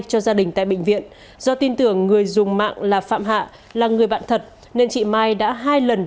cho gia đình tại bệnh viện do tin tưởng người dùng mạng là phạm hạ là người bạn thật nên chị mai đã hai lần